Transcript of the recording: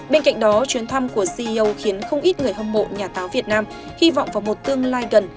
bên cạnh đó chuyến thăm của ceo khiến không ít người hâm mộ nhà báo việt nam hy vọng vào một tương lai gần